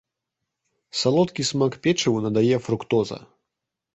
Салодкі смак печыву надае фруктоза.